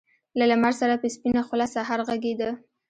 له لمر سره په سپينه خــــوله سهار غــــــــږېده